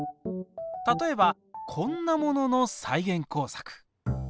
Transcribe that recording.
例えばこんなものの再現工作。